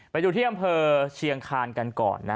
ไปดูที่อำเภอเชียงคานกันก่อน